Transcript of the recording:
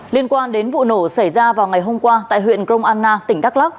liên quan đến vụ nổ xảy ra vào ngày hôm qua tại huyện gromanna tỉnh đắk lắk